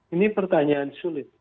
ini pertanyaan sulit